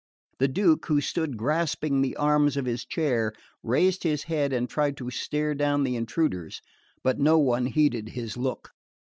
The Duke, who stood grasping the arms of his chair, raised his head and tried to stare down the intruders; but no one heeded his look.